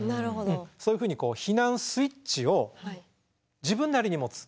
そういうふうに避難スイッチを自分なりに持つ。